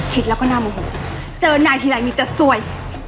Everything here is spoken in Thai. คิดแล้วก็น่าโมโหเจอนายทีไรมีแต่สวย